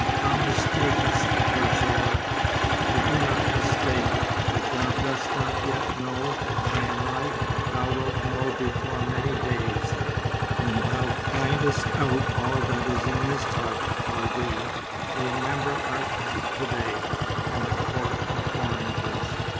"Thou mistakest, oh Zorah." "I do not mistake. If thou dost not yet know I am right, thou wilt know before many days. When thou findest out all that is in his heart for thee, remember our talk to day, in the court of oranges."